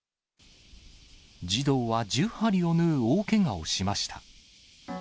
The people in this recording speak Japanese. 児童は１０針を縫う大けがをしました。